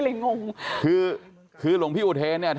อยู่หนึ่ง